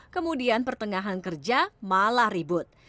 kemudian pertengahan kerja malah ribut